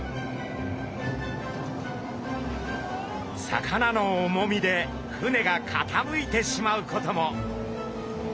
魚の重みで船がかたむいてしまうことも。